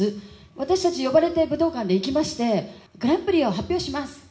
私たち呼ばれて武道館に行きまして、グランプリを発表します。